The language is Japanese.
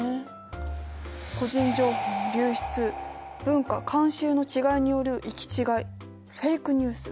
個人情報の流出文化・慣習の違いによる行き違いフェイク・ニュース。